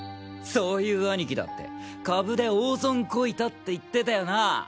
そういう兄貴だって株で大損こいたって言ってたよなぁ？